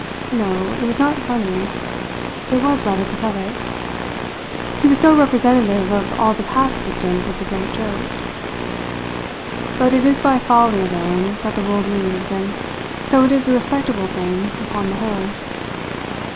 No, it was not funny; it was rather pathetic; he was so representative of all the past victims of the Great Joke. But it is by folly alone that the world moves, and so it is a respectable thing upon the whole.